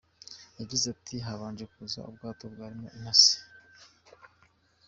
Yagize ati “Habanje kuza ubwato bwarimo intasi.